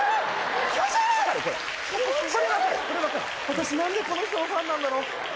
私何でこの人のファンなんだろ？